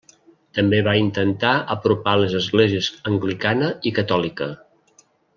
També va intentar apropar les esglésies anglicana i catòlica.